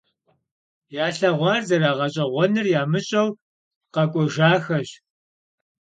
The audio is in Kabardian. Yalheğuar zerağeş'eğuenur yamış'eu khek'uejjaxeş.